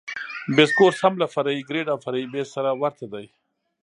بیس کورس هم له فرعي ګریډ او فرعي بیس سره ورته دی